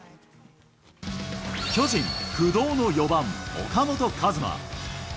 巨人不動の４番岡本和真。